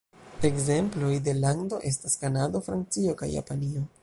Ekzemploj de lando estas Kanado, Francio, kaj Japanio.